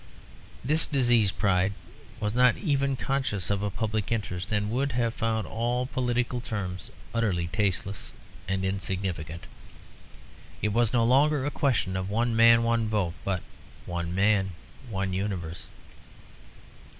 This diseased pride was not even conscious of a public interest, and would have found all political terms utterly tasteless and insignificant. It was no longer a question of one man one vote, but of one man one universe.